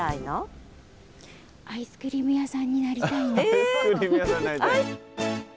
アイスクリーム屋さんになりたい。